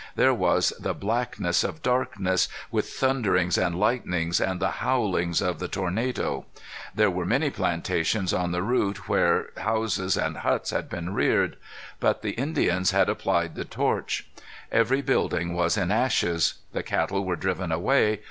There was the blackness of darkness, with thunderings and lightnings, and the howlings of the tornado. There were many plantations on the route where houses and huts had been reared. But the Indians had applied the torch. Every building was in ashes. The cattle were driven away.